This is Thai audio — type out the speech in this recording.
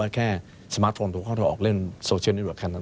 แค่สมาร์ทโฟนโทรเข้าโทรออกเล่นโซเชียลนิดเดียวแค่นั้น